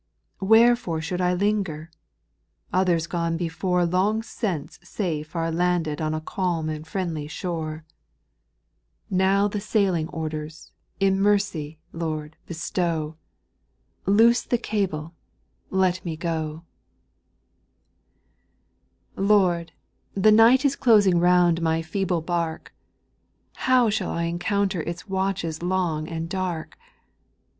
Wherefore should 1 linger? Others gone before Long since safe are landed on a calm and friendly shore. 878 SPIRITUAL SONOS. Now the sailing orders, in mercy, Lord, be stow, — Loose the cable, let me go I i. Lord I the night is closing round my feeble bark ; How shall I encounter its wat(*hes long and dark